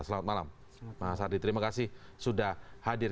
selamat malam pak fadlizon terima kasih sudah hadir